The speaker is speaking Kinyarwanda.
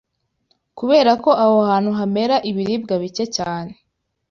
Kubera ko aho hantu hamera ibiribwa bike cyane